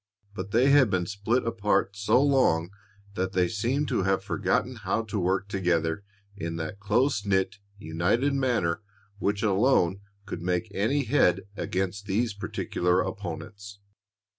But they had been split apart so long that they seemed to have forgotten how to work together in that close knit, united manner which alone could make any head against these particular opponents.